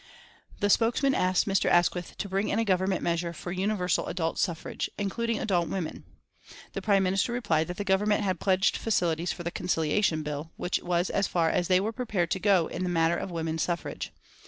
The spokesman asked Mr. Asquith to bring in a Government measure for universal adult suffrage, including adult women. The Prime Minister replied that the Government had pledged facilities for the Conciliation Bill, which was as far as they were prepared to go in the matter of women's suffrage.